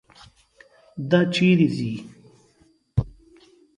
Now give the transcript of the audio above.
دا چیرې ځي.